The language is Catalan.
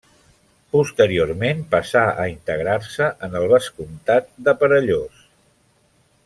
Posteriorment passà a integrar-se en el vescomtat de Perellós.